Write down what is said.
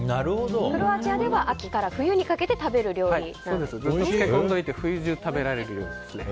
クロアチアでは秋から冬にかけて食べる料理だそうですね。